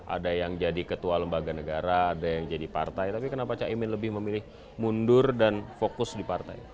ada yang jadi ketua lembaga negara ada yang jadi partai tapi kenapa caimin lebih memilih mundur dan fokus di partai